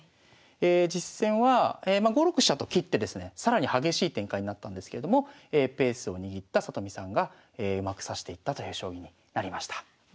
実戦は５六飛車と切ってですね更に激しい展開になったんですけれどもペースを握った里見さんがうまく指していったという将棋になりました。